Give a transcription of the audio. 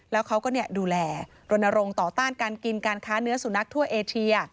แล้วเขาก็ดูแลรณรงค์ต่อต้านการกินการค้าเนื้อสุนัขทั่วเอเชีย